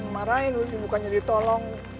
marahin bukan jadi tolong